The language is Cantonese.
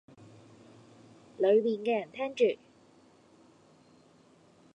裡面嘅人聽住